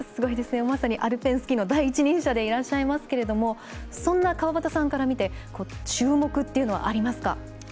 まさにアルペンスキーの第一人者でいらっしゃいますがそんな川端さんから見て注目はありますか？